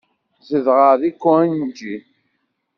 Zedɣeɣ deg Koenji.